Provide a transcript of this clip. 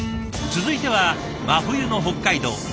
続いては真冬の北海道。